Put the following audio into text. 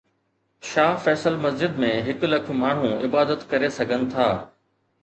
شاهه فيصل مسجد ۾ هڪ لک ماڻهو عبادت ڪري سگهن ٿا